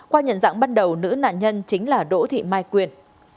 qua nhận dạng bắt đầu nữ nạn nhân chính là đỗ thị mai quyên